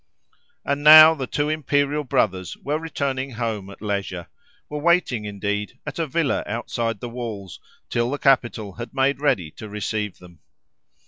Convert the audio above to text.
And now the two imperial "brothers" were returning home at leisure; were waiting, indeed, at a villa outside the walls, till the capital had made ready to receive them.